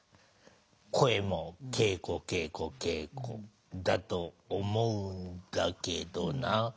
声も稽古稽古稽古だと思うんだけどな。